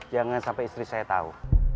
jangan sampai istri saya tahu